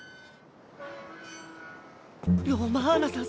ロマーナさん